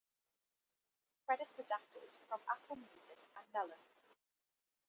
Credits adapted from Apple Music and Melon.